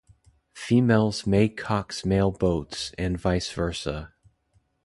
Females may cox male boats, and vice versa.